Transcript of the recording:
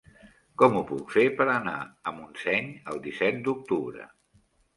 Com ho puc fer per anar a Montseny el disset d'octubre?